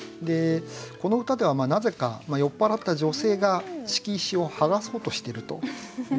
この歌ではなぜか酔っ払った女性が敷石をはがそうとしてるという。